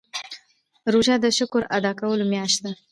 روژه د شکر ادا کولو میاشت ده.